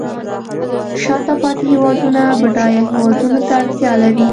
شاته پاتې هیوادونه بډایه هیوادونو ته اړتیا لري